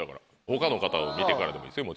他の方を見てからでもいいですよ